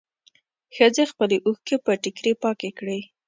ښځې خپلې اوښکې په ټيکري پاکې کړې.